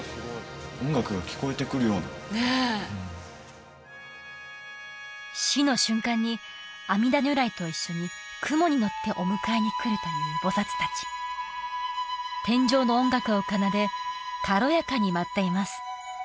音楽が聞こえてくるようなねえ死の瞬間に阿弥陀如来と一緒に雲に乗ってお迎えに来るという菩薩達天上の音楽を奏で軽やかに舞っています